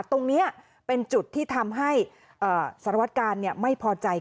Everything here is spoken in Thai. ตรงนี้เป็นจุดที่ทำให้สารวัตกาลไม่พอใจ